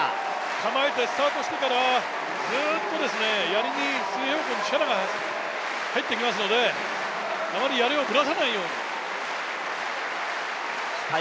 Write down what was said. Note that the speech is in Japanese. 構えてスタートしてから、ずっとやりに水平方向に力が入ってきますのであまり、やりをブラさないように。